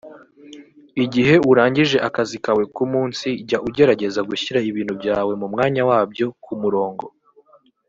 Igihe urangije akazi kawe k’umunsi jya ugerageza gushyira ibintu byawe mu mwanya wabyo/ku murongo